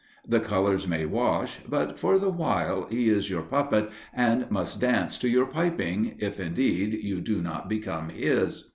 The colours may wash, but for the while he is your puppet and must dance to your piping, if, indeed, you do not become his.